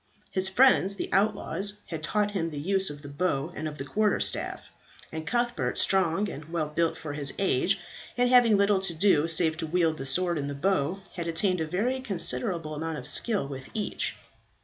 His friends, the outlaws, had taught him the use of the bow and of the quarter staff; and Cuthbert, strong and well built for his age, and having little to do save to wield the sword and the bow, had attained a very considerable amount of skill with each.